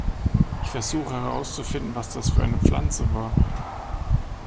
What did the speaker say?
Ich versuche, herauszufinden, was das für eine Pflanze war.